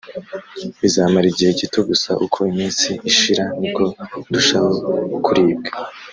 bizamara igihe gito gusa uko iminsi ishira niko ndushaho kuribwa